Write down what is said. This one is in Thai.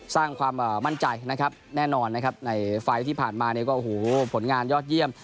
สร้างความมั่นใจนะครับแน่นอนนะครับในไฟล์ที่ผ่านมาเนี่ยก็โอ้โหผลงานยอดเยี่ยม